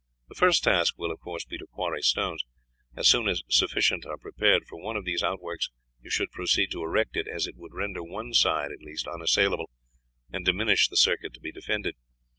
The first task will, of course, be to quarry stones. As soon as sufficient are prepared for one of these outworks you should proceed to erect it, as it would render one side at least unassailable and diminish the circuit to be defended.